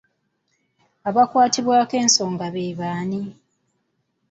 Abakwatibwako ensonga be baani?